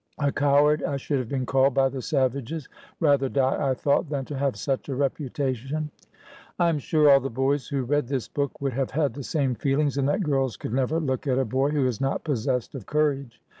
A coward I should have been called by the savages. Rather die, I thought, than to have such a reputation. I am sure all the boys who read this book would have had the same feelings, and that girls could never look at a boy who is not possessed of courage.